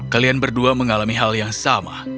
kalian berdua mengalami hal yang sama